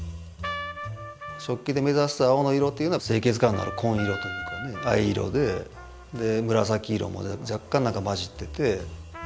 食器で目指す青の色というのは清潔感のある紺色というかね藍色でで紫色も若干何か混じってて。